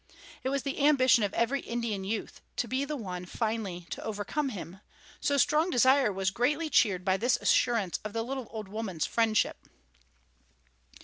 It was the ambition of every Indian youth to be the one finally to overcome him, so Strong Desire was greatly cheered by this assurance of the little old woman's friendship.